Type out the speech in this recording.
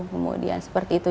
kemudian seperti itu